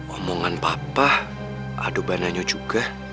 omongan papa aduh bananyo juga